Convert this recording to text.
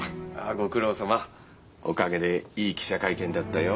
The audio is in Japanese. ご苦労さまおかげでいい記者会見だったよ。